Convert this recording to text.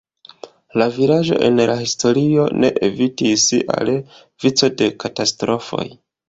La vilaĝo en la historio ne evitis al vico de katastrofoj.